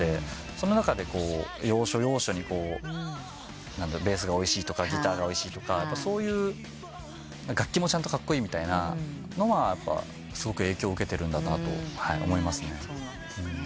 その中で要所要所にベースがおいしいとかギターがおいしいとかそういう楽器もちゃんとカッコイイみたいなのはすごく影響を受けてるんだなと思いますね。